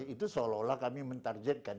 itu seolah olah kami mentarjetkan